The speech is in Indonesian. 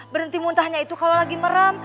berhenti muntahnya itu kalau lagi meram